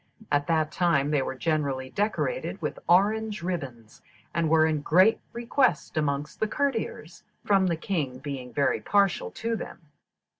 At that time they were generally decorated with orange ribbons, and were in great request amongst the courtiers, from the king being very partial to them.